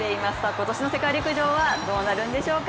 今年の世界陸上はどうなるんでしょうか